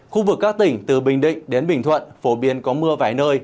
khu vực các tỉnh từ bình định đến bình thuận phổ biến có mưa vài nơi